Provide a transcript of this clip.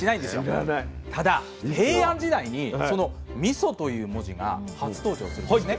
ただ平安時代にその「みそ」という文字が初登場するんですね。